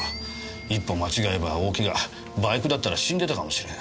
一歩間違えば大怪我バイクだったら死んでたかもしれない。